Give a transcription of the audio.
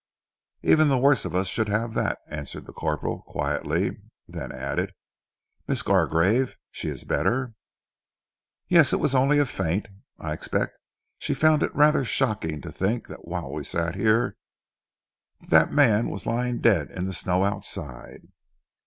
"Even the worst of us should have that," answered the corporal quietly, then added, "Miss Gargrave she is better?" "Yes, it was only a faint. I expect she found it rather shocking to think that whilst we were sat here, that man was lying dead in the snow outside."